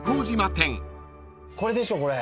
これでしょこれ。